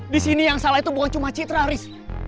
disini yang salah itu bukan cuma citra riz